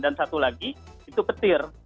dan satu lagi itu petir